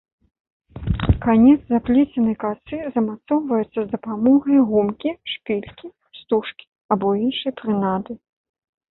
Канец заплеценай касы замацоўваецца з дапамогай гумкі, шпількі, стужкі або іншай прынады.